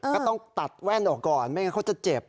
ก็ต้องตัดแว่นออกก่อนไม่งั้นเขาจะเจ็บ